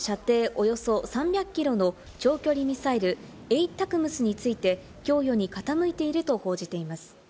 およそ３００キロの長距離ミサイル「ＡＴＡＣＭＳ」について供与に傾いていると報じています。